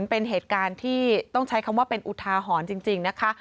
เป็นเหตุการณ์ที่ต้องใช้คำว่าเป็นอุทาหรณ์จริงนะคะ